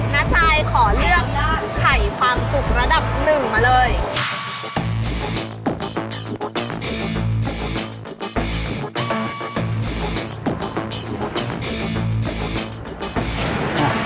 นาจ่ายขอเลือกไข่ความสุขระดับ๑มาเลย